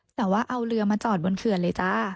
แต่ว่าเอาเรือมาจอดบนเขื่อนเลยจ้า